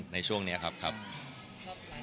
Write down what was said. ในช่วงนี้ครับต่อทางแล้ว